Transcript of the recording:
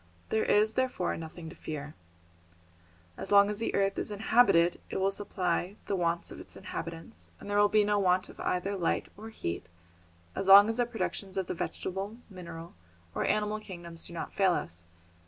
There is, therefore, nothing to fear. As long as the earth is inhabited it will supply the wants of its inhabitants, and there will be no want of either light or heat as long as the productions of the vegetable, mineral or animal kingdoms do not fail us.